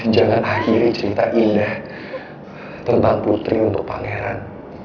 jangan akhiri cerita indah terbang putri untuk pangeran